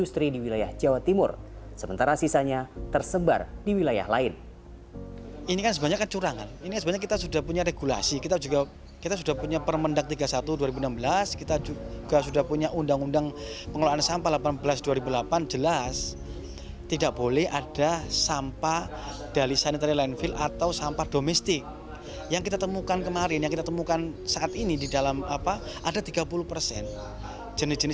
sampah sampah ini juga tersebar di wilayah jawa timur sementara sisanya tersebar di wilayah lain